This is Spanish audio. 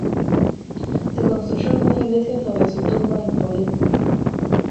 Se construyó en una iglesia sobre su tumba en Foligno.